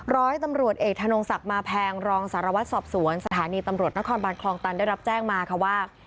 ร้อยตำรวจเอกธนงศักดิ์มาแพงรองสารวัตรสอบสวนสถานีตำรวจนครบานคลองตันได้รับแจ้งมาค่ะว่า